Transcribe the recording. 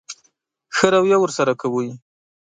ښه رويه ورسره کوئ.